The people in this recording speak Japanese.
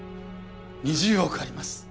２０億あります